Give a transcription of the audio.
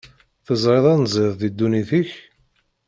Teẓriḍ anziḍ di ddunit-ik?